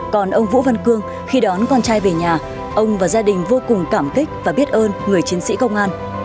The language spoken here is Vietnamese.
còn ông vũ văn cương khi đón con trai về nhà ông và gia đình vô cùng cảm kích và biết ơn người chiến sĩ công an